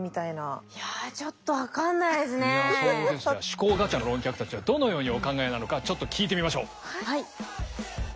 「思考ガチャ！」の論客たちはどのようにお考えなのかちょっと聞いてみましょう。